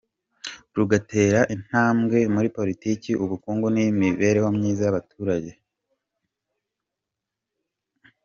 rugatera intambwe muri politiki, ubukungu n’imibereho myiza y’abaturage.